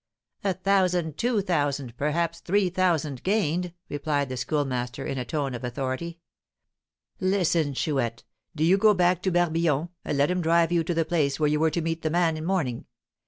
"A thousand two thousand perhaps three thousand gained," replied the Schoolmaster, in a tone of authority. "Listen, Chouette! Do you go back to Barbillon, and let him drive you to the place where you were to meet the man in mourning.